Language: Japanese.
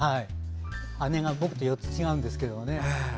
姉が僕と４つ違うんですけどね。